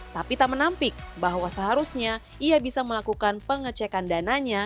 tapi tak menampik bahwa seharusnya ia bisa melakukan pengecekan dananya